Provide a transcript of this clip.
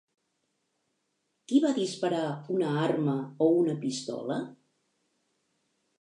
Qui va disparar una arma o una pistola?